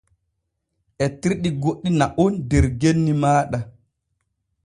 Etirɗi goɗɗi na’on der genni maaɗa.